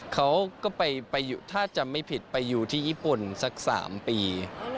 เขาก็ไปถ้าจำไม่ผิดไปอยู่ที่ญี่ปุ่นสัก๓ปี